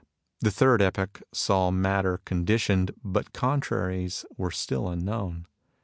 The third epoch saw matter con ditioned, but contraries were still unknown.